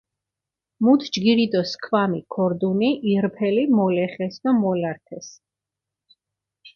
მუთ ჯგირი დო სქვამი ქორდუნი ირფელი მოლეღეს დო მოლართეს.